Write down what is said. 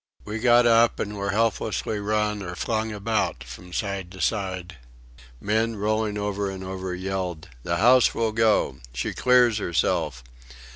We got up and were helplessly run or flung about from side to side. Men, rolling over and over, yelled, "The house will go!" "She clears herself!"